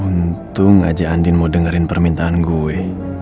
untung aja andin mau dengerin permintaan gue